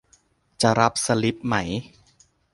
จะรับสลิปไหม